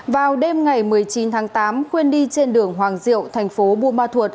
vào đêm ngày một mươi chín tháng tám khuyên đi trên đường hoàng diệu thành phố buôn ma thuột